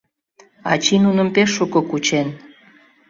Ачий нуным пеш шуко кучен.